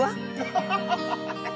ハハハハハ！